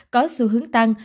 có xu hướng tăng